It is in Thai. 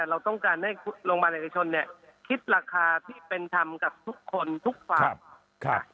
เราต้องการให้โรงพาณเอกชนคิดราคาที่เป็นธรรมกับทุกคนทุกฟัง